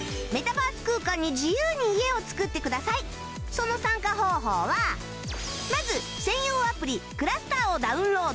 その参加方法はまず専用アプリ ｃｌｕｓｔｅｒ をダウンロード